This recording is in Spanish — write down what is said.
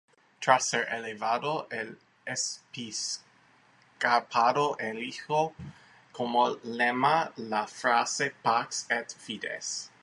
Tras ser elevado al episcopado eligió como lema, la frase "Pax Et Fides".